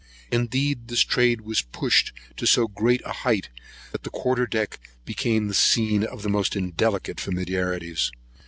Indeed this trade was pushed to so great a height, that the quarter deck became the scene of the most indelicate familiarities.